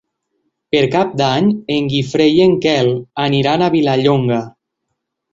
Per Cap d'Any en Guifré i en Quel aniran a Vilallonga.